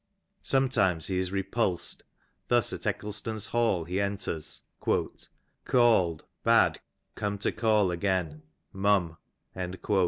Sometimes he is re pulsed, thus at Eccleston Hall he enters :'^ Called, bad come to call again — mum.'''